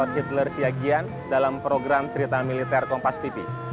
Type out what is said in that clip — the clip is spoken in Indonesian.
dan saya juga memiliki peluang untuk menjelajahi lebih dalam dalam program cerita militer kompas tv